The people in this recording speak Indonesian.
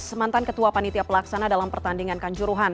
semantan ketua panitia pelaksana dalam pertandingan kanjuruhan